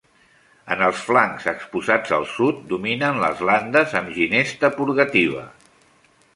En els flancs exposats al sud dominen les landes amb ginesta purgativa.